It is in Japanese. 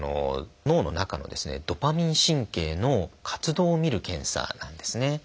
脳の中のドパミン神経の活動をみる検査なんですね。